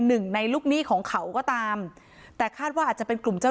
หนึ่งในลูกหนี้ของเขาก็ตามแต่คาดว่าอาจจะเป็นกลุ่มเจ้า